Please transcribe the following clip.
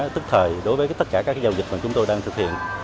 tức thời đối với tất cả các giao dịch mà chúng tôi đang thực hiện